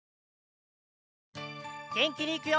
げんきにいくよ！